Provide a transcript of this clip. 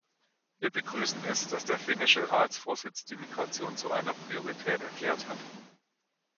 Wir begrüßen es, dass der finnische Ratsvorsitz die Migration zu einer Priorität erklärt hat.